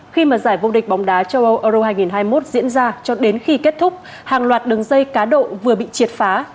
khi mà giải vô địch bóng đá châu âu euro hai nghìn hai mươi một diễn ra cho đến khi kết thúc hàng loạt đường dây cá độ vừa bị triệt phá